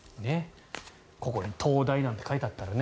ここに東大なんて書いてあったらね。